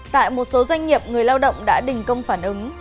tại một số doanh nghiệp người lao động đã đình công phản ứng